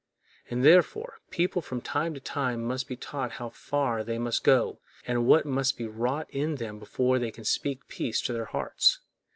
And, therefore, people from time to time must be taught how far they must go and what must be wrought in them before they can speak peace to their hearts.